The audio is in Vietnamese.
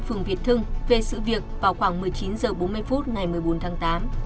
trung việt thưng về sự việc vào khoảng một mươi chín giờ bốn mươi phút ngày một mươi bốn tháng tám